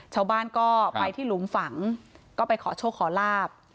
ชาวบ้านก็ไปที่หลุมฝังก็ไปขอโชคขอลาบ